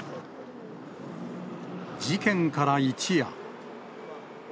事件から一夜。